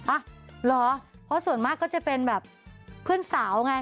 เพราะส่วนมากก็จะเป็นแบบเพื่อนสาวไง